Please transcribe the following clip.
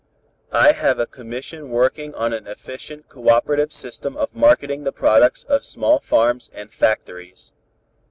"I have a commission working on an efficient cooperative system of marketing the products of small farms and factories.